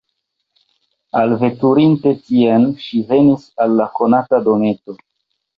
Alveturinte tien, ŝi venis al la konata dometo.